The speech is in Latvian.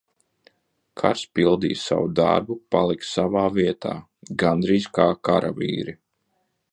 Katrs pildīja savu darbu, palika savā vietā, gandrīz kā karavīri.